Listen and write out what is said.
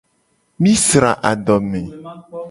Mi sra adome.